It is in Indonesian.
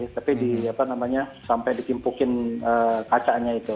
tapi sampai dikimpukin kacanya itu